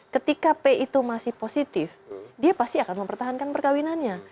ketika p itu masih positif dia pasti akan mempertahankan perkawinannya